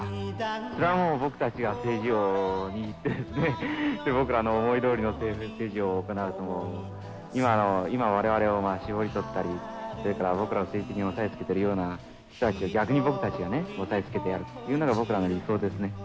それはもう、僕たちが政治を握ってですね、僕らの思いどおりの政治を行うと、今、われわれを搾り取ったり、それから、僕らを政治的に押さえつけてるような人たちを、逆に僕たちがね、押さえつけてやるというのが、僕らの理想ですね。